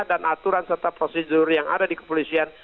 dan aturan serta prosedur yang ada di kepolisian